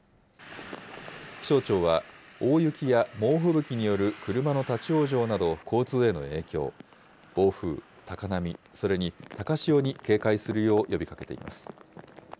気象庁は、大雪や猛吹雪による車の立往生など交通への影響、暴風、高波、それに高潮に警戒するよう呼びかけています。